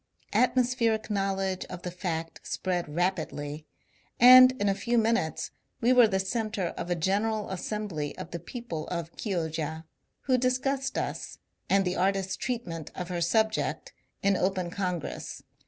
Atmos pheric knowledge of the fact spread rapidly, and in a few minutes we were the centre of a general assembly of the people of Chioggia, who discussed us, and the artist's treat ment of her subject, in open congress.